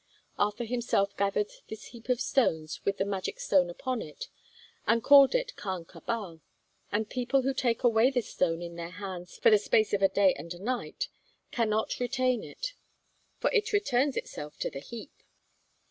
Arthur himself gathered this heap of stones, with the magic stone upon it, and called it Carn Cabal; and people who take away this stone in their hands for the space of a day and a night cannot retain it, for it returns itself to the heap.